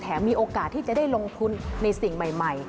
มีโอกาสที่จะได้ลงทุนในสิ่งใหม่